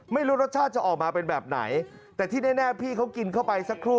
ไม่รู้รสชาติจะออกมาเป็นแบบไหนแต่ที่แน่พี่เขากินเข้าไปสักครู่